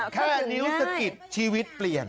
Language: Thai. อ๋อเขาอย่างนี้แค่นิ้วสกิดชีวิตเปลี่ยน